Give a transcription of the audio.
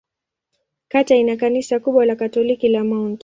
Kata ina kanisa kubwa la Katoliki la Mt.